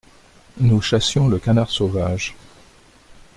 Nous chassions le canard sauvage…